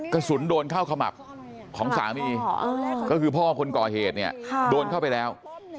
กระสุนโดนเข้าขมับของสามีก็คือพ่อคนก่อเหตุเนี่ยโดนเข้าไปแล้ว